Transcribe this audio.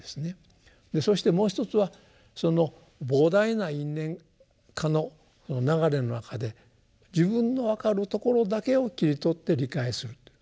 そしてもう一つはその膨大な「因・縁・果」の流れの中で自分の分かるところだけを切り取って理解する。